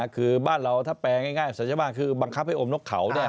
คือบ้านเราถ้าแปลง่ายศัลยบ้านคือบังคับให้อมนกเขา